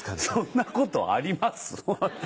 そんなことあります？